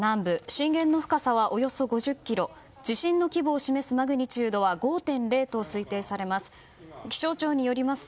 震源の深さはおよそ５０ｋｍ地震の規模を示すマグニチュード５．０と推定されます。